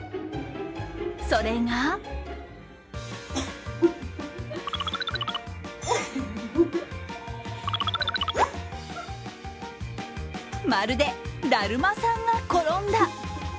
それがまるで、だるまさんが転んだ。